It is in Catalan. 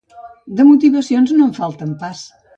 De motivacions, no en falten pas.